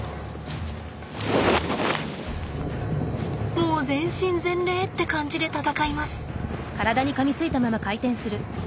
もう全身全霊って感じで戦います。